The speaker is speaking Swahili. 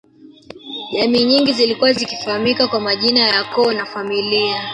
Jamii nyingi zilikuwa zikifahamika kwa majina ya Koo na familia